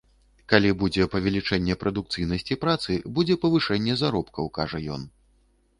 Калі будзе павелічэнне прадукцыйнасці працы, будзе павышэнне заробкаў, кажа ён.